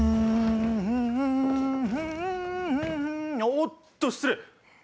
おおっと失礼！